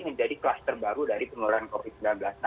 menjadi kluster baru dari penularan covid sembilan belas